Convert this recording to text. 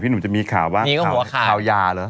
พี่หนุ่มจะมีข่าวข่าวยาเหรอะ